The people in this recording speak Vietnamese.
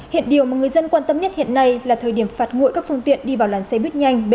hiện điều mà người dân quan tâm nhất hiện nay là thời điểm phạt nguội các phương tiện đi vào làn xe buýt nhanh